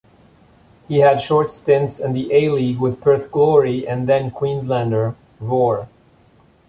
He had short stints in the A-League with Perth Glory and then-Queensland Roar.